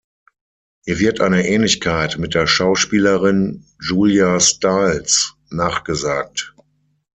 Ihr wird eine Ähnlichkeit mit der Schauspielerin Julia Stiles nachgesagt.